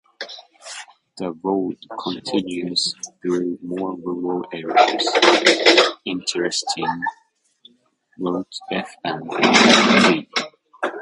The road continues through more rural areas, intersecting Route F and Route Z.